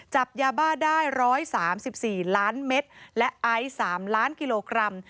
จับยาบ้าได้๑๓๔ล้านเมตรและไอซ์๓ล้านกิโลกรัม